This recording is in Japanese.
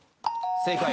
正解。